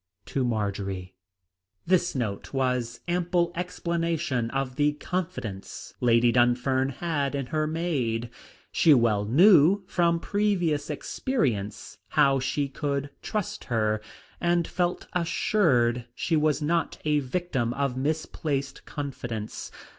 "To Marjory." This note was ample explanation of the confidence Lady Dunfern had in her maid. She well knew from previous experience how she could trust her, and felt assured she was not a victim to misplaced confidence.